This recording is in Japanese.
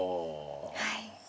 はい。